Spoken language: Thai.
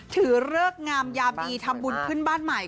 ถือเลิกงามยามดีทำบุญพึ่งบ้านใหม่